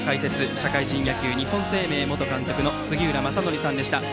社会人野球、日本生命元監督の杉浦正則さんでした。